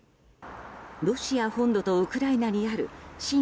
ロシア本土とウクライナにある親